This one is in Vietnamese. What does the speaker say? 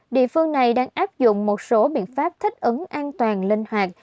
địa phương này đang áp dụng một số biện pháp thích ứng an toàn linh hoạt